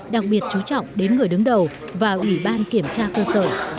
đặc biệt chú trọng đến người đứng đầu và ủy ban kiểm tra cơ sở